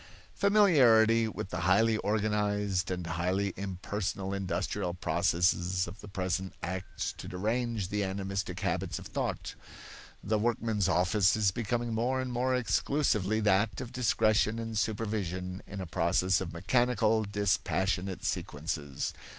Familiarity with the highly organized and highly impersonal industrial processes of the present acts to derange the animistic habits of thought. The workman's office is becoming more and more exclusively that of discretion and supervision in a process of mechanical, dispassionate sequences.